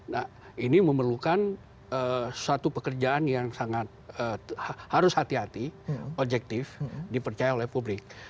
nah ini memerlukan suatu pekerjaan yang sangat harus hati hati objektif dipercaya oleh publik